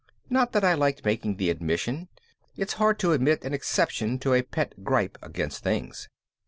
Not that I liked making the admission. It's hard to admit an exception to a pet gripe against things.